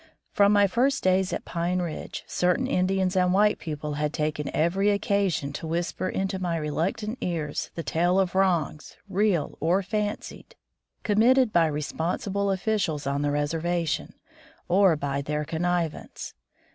From my first days at Pine Ridge, certain Indians and white people had taken every 117 From the Deep Woods to Civilization occasion to whisper into my reluctant ears the tale of wrongs, real or f ancied» committed by responsible officials on the reservation, or by their connivance.